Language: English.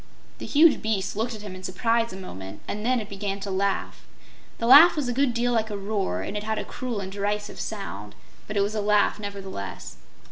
The huge beast looked at him in surprise a moment, and then it began to laugh. The laugh was a good deal like a roar, and it had a cruel and derisive sound, but it was a laugh nevertheless.